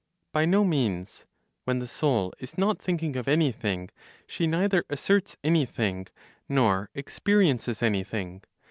By no means; when the soul is not thinking of anything, she neither asserts anything, nor experiences anything.